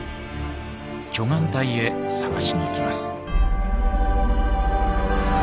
巨岩帯へ探しに行きます。